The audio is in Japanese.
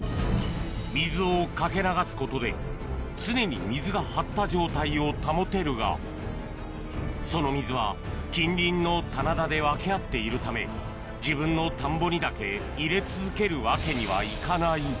水をかけ流すことで常に水が張った状態を保てるがその水は近隣の棚田で分け合っているため自分の田んぼにだけ入れ続けるわけにはいかない